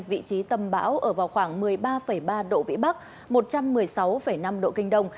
vị trí tâm bão ở vào khoảng một mươi ba ba độ vĩ bắc một trăm một mươi sáu năm độ kinh đông